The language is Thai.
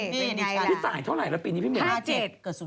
พี่ตายเท่าไหร่แล้วปีนี้พี่เหมีย